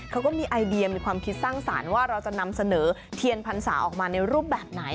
เขาก็มีไอเดียมีความคิดสร้างสรรค์ว่าเราจะนำเสนอเทียนพรรษาออกมาในรูปแบบไหน